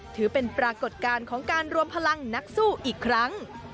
ถือเป็นปรากฏการณ์ของการรวมพลังนักสู้อีกครั้ง